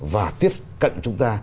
và tiếp cận chúng ta